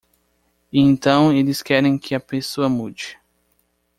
E então eles querem que a pessoa mude.